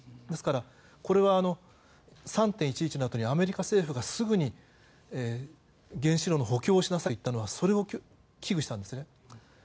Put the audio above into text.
ですから、これは３・１１のあとにアメリカ政府がすぐに原子炉の補強をしなさいといったのはそれを危惧したんですね。